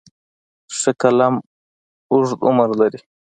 ښه قلم اوږد عمر لري.